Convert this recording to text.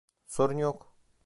Sorun yok!